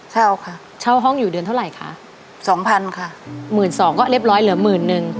เช่าค่ะเช่าห้องอยู่เดือนเท่าไหร่คะสองพันค่ะหมื่นสองก็เรียบร้อยเหลือหมื่นนึง